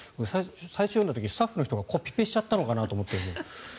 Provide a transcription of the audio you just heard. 最初読んだ時スタッフの人がコピペしちゃったのかなと。